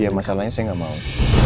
iya masalahnya saya gak mau